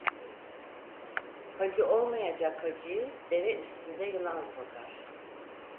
Hacı olmayacak hacıyı deve üstünde yılan sokar.